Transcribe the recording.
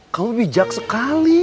kamu bijak sekali